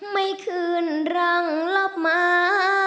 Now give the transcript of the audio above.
ไม่คืนรังรับมา